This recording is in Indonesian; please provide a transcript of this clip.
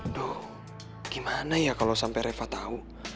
aduh gimana ya kalo sampe reva tau